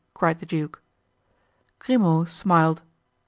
cried the duke. Grimaud smiled.